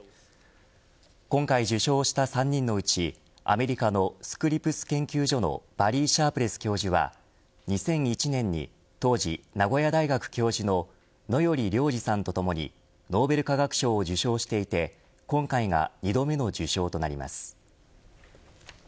今回受賞した３人のうちアメリカのスクリプス研究所のバリ―・シャープレス教授は２００１年に当時名古屋大学教授の野依良治さんとともにノーベル化学賞を受賞していて今回が２度目の受賞となります。